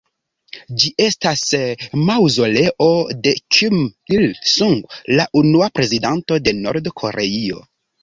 Ĝi estas maŭzoleo de Kim Il-sung, la unua prezidento de Nord-Koreio.